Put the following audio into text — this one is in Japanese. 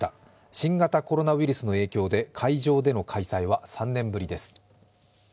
新型コロナウイルスの影響で会場での開催は３年ぶりです。